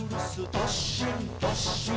どっしんどっしん」